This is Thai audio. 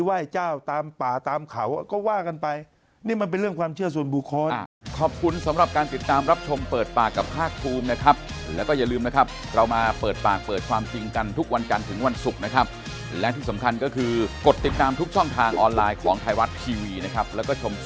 ไหว้เจ้าตามป่าตามเขาก็ว่ากันไปนี่มันเป็นเรื่องความเชื่อส่วนบุคคล